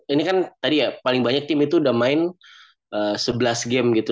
ini kan tadi ya paling banyak tim itu udah main sebelas game gitu